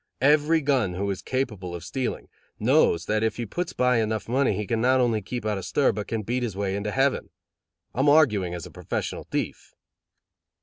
Every gun who is capable of stealing, knows that if he puts by enough money he can not only keep out of stir but can beat his way into heaven. I'm arguing as a professional thief."